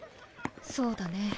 そうだね